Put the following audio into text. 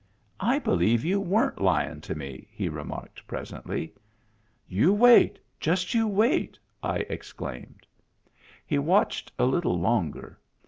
" I believe you weren't lyin' to me," he remarked presently. " You wait ! Just you wait !" I exclaimed. He watched a little longer.